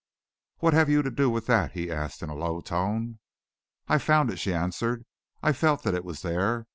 "What have you to do with that?" he asked in a low tone. "I found it," she answered. "I felt that it was there.